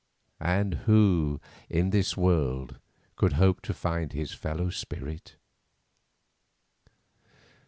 And who in this world could hope to find his fellow spirit?